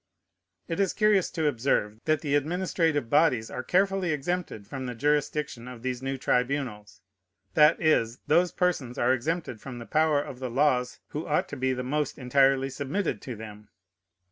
It is curious to observe, that the administrative bodies are carefully exempted from the jurisdiction of these new tribunals. That is, those persons are exempted from the power of the laws who ought to be the most entirely submitted to them.